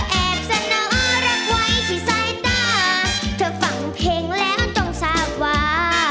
เธอแอบเสนอรักไว้ที่สายตาเธอฟังเพลงแล้วจงสาวา